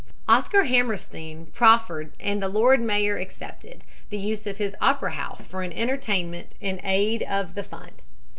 Oscar Hammerstein proffered, and the lord mayor accepted, the use of his opera house for an entertainment in aid of the fund.